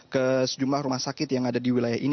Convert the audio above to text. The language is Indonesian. ke sejumlah rumah sakit yang ada di wilayah ini